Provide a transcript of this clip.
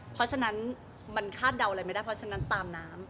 เพราะฉะนั้นเราตามน้ำ